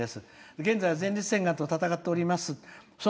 「現在は前立腺がんと闘っております。